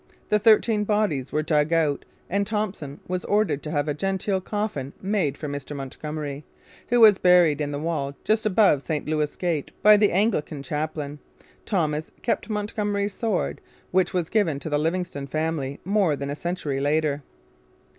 The thirteen bodies were dug out and Thompson was ordered to have a 'genteel coffin made for Mr Montgomery,' who was buried in the wall just above St Louis Gate by the Anglican chaplain. Thompson kept Montgomery's sword, which was given to the Livingston family more than a century later.